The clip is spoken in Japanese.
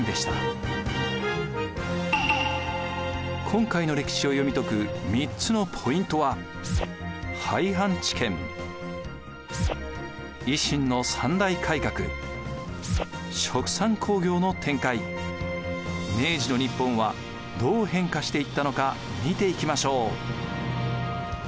今回の歴史を読み解く３つのポイントは明治の日本はどう変化していったのか見ていきましょう。